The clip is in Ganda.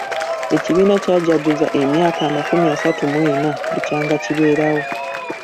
Ekibiina kyajaguzza emyaka amakumi asatu mu ena bukya nga kibeerawo.